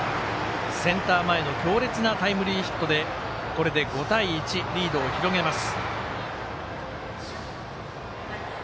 センター前の強烈なタイムリーヒットでこれで５対１リードを広げます。